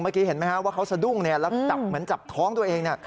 เมื่อกี้เห็นไหมครับว่าเขาสะดุ้งแล้วจับเหมือนจับท้องตัวเอง